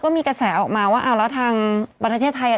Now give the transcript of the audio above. เพื่อไม่ให้เชื้อมันกระจายหรือว่าขยายตัวเพิ่มมากขึ้น